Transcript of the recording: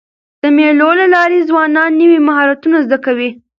د مېلو له لاري ځوانان نوي مهارتونه زده کوي.